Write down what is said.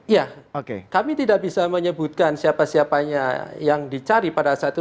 ya kami tidak bisa menyebutkan siapa siapanya yang dicari pada saat itu